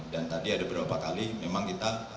dan tadi ada berapa kali memang kita